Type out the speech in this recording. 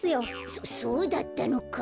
そそうだったのか。